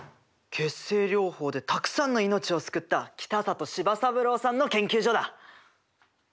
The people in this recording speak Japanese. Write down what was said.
血清療法でたくさんの命を救った北里柴三郎さんの研究所だ！